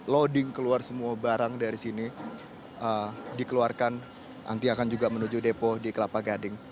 loading keluar semua barang dari sini dikeluarkan nanti akan juga menuju depo di kelapa gading